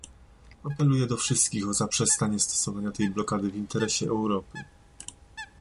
Apeluję do wszystkich o zaprzestanie stosowania tej blokady w interesie Europy